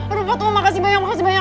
aduh pak tua makasih banyak makasih banyak